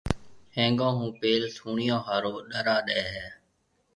ھيَََنگون ھون پيل ٿوڻيون ھارو ڏرا ڏَي ھيََََ